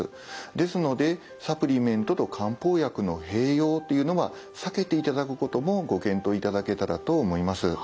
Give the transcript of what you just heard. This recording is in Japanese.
ですのでサプリメントと漢方薬の併用というのは避けていただくこともご検討いただけたらと思います。